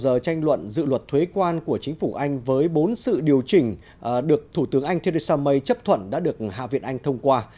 trong giờ tranh luận dự luật thuế quan của chính phủ anh với bốn sự điều chỉnh được thủ tướng anh theresa may chấp thuận đã được hạ viện anh thông qua